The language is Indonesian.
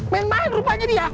main main rupanya dia